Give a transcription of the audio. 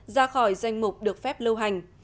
ra khỏi danh mục được phép lâu hành